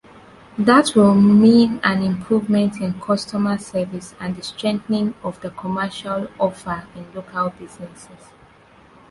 That will mean an improvement in customer service and the strengthening of the commercial offer in local businesses.